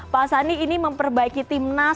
pak sandi ini memperbaiki timnas